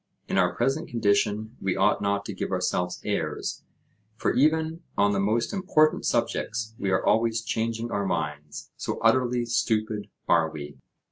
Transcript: In our present condition we ought not to give ourselves airs, for even on the most important subjects we are always changing our minds; so utterly stupid are we!